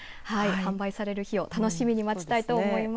販売される日を楽しみに待ちたいと思います。